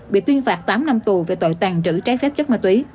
bị tuyên phạt tám năm tù về tội tàng trữ trái phép chất ma túy